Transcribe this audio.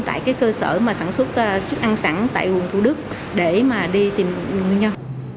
tại cơ sở sản xuất chức ăn sẵn tại quận thu đức để mà đi tìm nguyên nhân